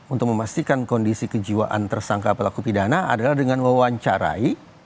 untuk memastikan kondisi kejiwaan tersangka pelaku pidana adalah dengan mewawancarai